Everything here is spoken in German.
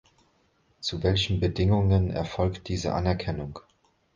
Zu welchen Bedingungen erfolgt diese Anerkennung?